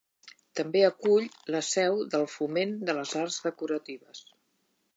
També acull la seu del Foment de les Arts Decoratives.